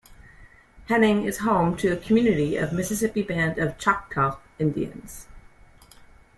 Henning is home to a community of Mississippi Band of Choctaw Indians.